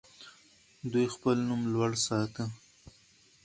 دوی خپل نوم لوړ ساته.